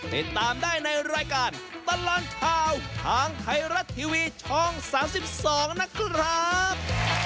ติดตามได้ในรายการตลอดข่าวทางไทยรัฐทีวีช่อง๓๒นะครับ